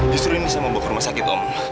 justru ini saya mau bawa ke rumah sakit om